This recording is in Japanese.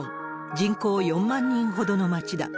人口４万人ほどの町だ。